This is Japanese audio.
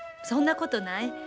そんなことない。